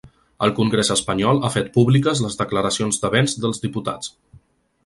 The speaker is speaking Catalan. El congrés espanyol ha fet públiques les declaracions de béns dels diputats.